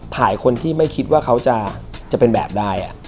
คนที่ไม่คิดว่าเขาจะเป็นแบบได้